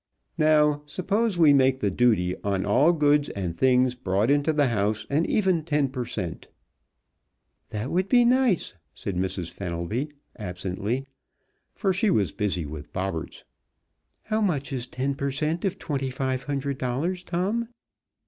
Now, suppose we make the duty on all goods and things brought into the house an even ten per cent.?" [Illustration: "She was busy with Bobberts"] "That would be nice," said Mrs. Fenelby, absently, for she was busy with Bobberts. "How much is ten per cent. of twenty five hundred dollars, Tom?"